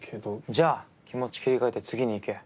じゃあ気持ち切り替えて次にいけ。